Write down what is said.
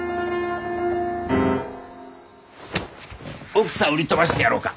奥さん売り飛ばしてやろうか？